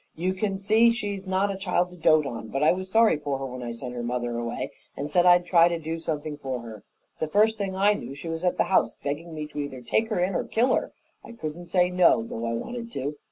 "You can see she's not a child to dote on, but I was sorry for her when I sent her mother away and said I'd try and do something for her. The first thing I knew she was at the house, begging me to either take her in or kill her. I couldn't say no, though I wanted to.